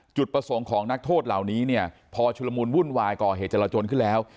จุดประสงค์ของนักโทษเหล่านี้เนี่ยพอชุลมูลวุ่นวายก่อเหตุจรจนขึ้นแล้ว